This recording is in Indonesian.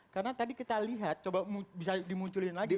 karena tadi kita lihat coba bisa dimunculkan lagi